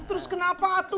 terus kenapa atu